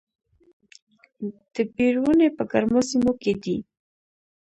د بیر ونې په ګرمو سیمو کې دي؟